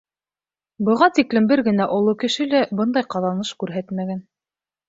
Быға тиклем бер генә оло кеше лә бындай ҡаҙаныш күрһәтмәгән.